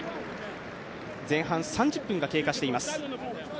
前半３０分が経過しています。